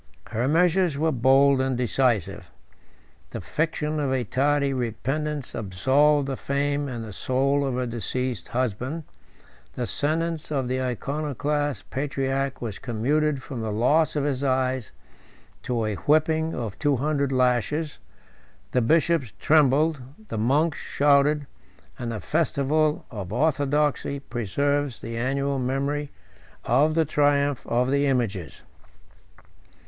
Her measures were bold and decisive. The fiction of a tardy repentance absolved the fame and the soul of her deceased husband; the sentence of the Iconoclast patriarch was commuted from the loss of his eyes to a whipping of two hundred lashes: the bishops trembled, the monks shouted, and the festival of orthodoxy preserves the annual memory of the triumph of the images.